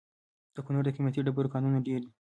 د کونړ د قیمتي ډبرو کانونه ډیر دي